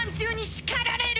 叱られる？